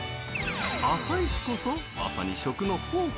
朝市こそ、まさに食の宝庫！